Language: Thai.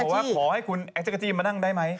มีคนไลน์กลับมาบอกว่าขอให้คุณแอคเจ๊กาจี้มานั่งได้ไหม